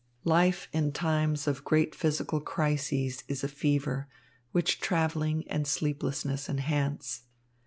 Life in times of great physical crises is a fever, which travelling and sleeplessness enhance.